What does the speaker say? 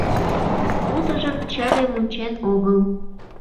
Утыжым чыве мунчен огыл.